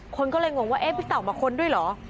คนก็เลยงงว่าเอ๊ะพี่เต่ามาค้นด้วยเหรอ